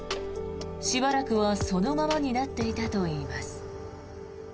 しばらくは、そのままになっていたといいます。